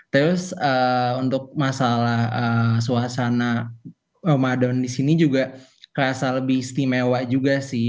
terus untuk masalah suasana ramadan di sini juga kerasa lebih istimewa juga sih